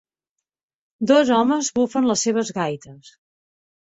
Dos home bufen les seves gaites.